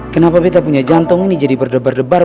kenapa kita punya jantung ini jadi berdebar debar